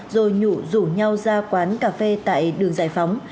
rồi nhụ rủ nhau ra quán cà phê tại đường giải phóng